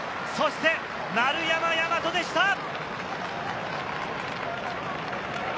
そして丸山大和でした！